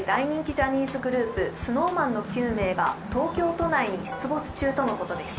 ジャニーズグループＳｎｏｗＭａｎの９名が東京都内に出没中とのことです